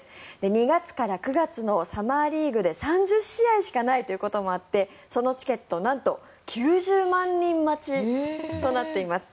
２月から９月のサマーリーグで３０試合しかないということもあってそのチケット、なんと９０万人待ちとなっています。